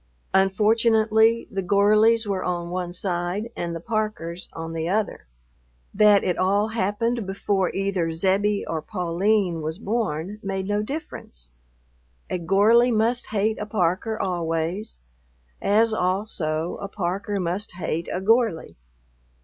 Unfortunately the Gorleys were on one side and the Parkers on the other. That it all happened before either Zebbie or Pauline was born made no difference. A Gorley must hate a Parker always, as also a Parker must hate a Gorley.